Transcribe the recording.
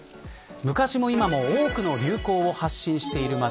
昔も今も多くの流行を発信している街